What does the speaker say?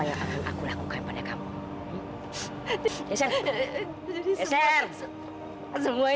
cari jawabannya di andri